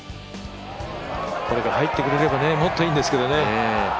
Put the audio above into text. これが入ってくれればもっといいんですけどね。